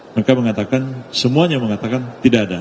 mereka mengatakan semuanya mengatakan tidak ada